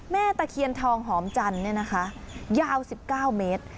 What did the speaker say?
ตะเคียนทองหอมจันทร์เนี่ยนะคะยาว๑๙เมตร